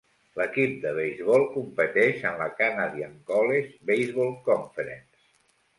L'equip de beisbol competeix en la Canadian College Baseball Conference.